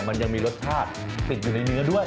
มันยังมีรสชาติติดอยู่ในเนื้อด้วย